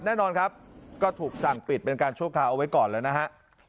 แน่นอนครับก็ถูกสั่งปิดเป็นการชั่วคราวเอาไว้ก่อนแล้วนะฮะ